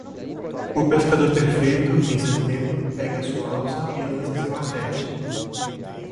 O pescador perfeito, em setembro, pega sua alça e lança seu artete.